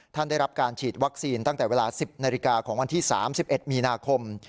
ได้รับการฉีดวัคซีนตั้งแต่เวลา๑๐นาฬิกาของวันที่๓๑มีนาคม